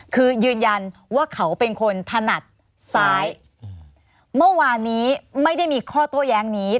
คือยืนยันว่าเขาเป็นคนถนัดซ้ายเมื่อวานนี้ไม่ได้มีข้อโต้แย้งนี้